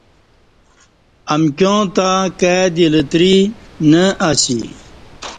امکیان تہ کائی دی لتری نہ اسی